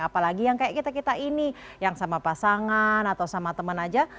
apalagi yang kayak kita kita ini yang sama pasangan atau sama teman aja